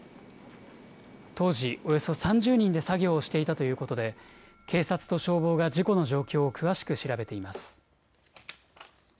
当時およそ３０人で作業をしていたということで警察と消防が事故の状況を詳しく調べています。